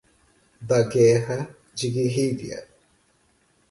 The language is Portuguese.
da guerra de guerrilha